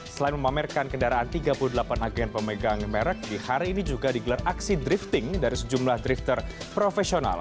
selain memamerkan kendaraan tiga puluh delapan agen pemegang merek di hari ini juga digelar aksi drifting dari sejumlah drifter profesional